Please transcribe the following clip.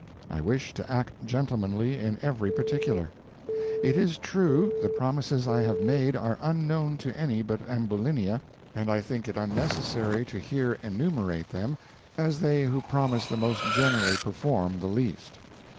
I wish to act gentlemanly in every particular. It is true, the promises I have made are unknown to any but Ambulinia, and I think it unnecessary to here enumerate them, as they who promise the most generally perform the least.